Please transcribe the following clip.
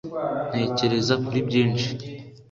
ntekereza kuri byinshi.